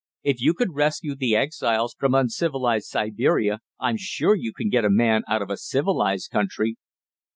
If you could rescue the exiles from uncivilized Siberia I'm sure you can get a man out of a civilized country."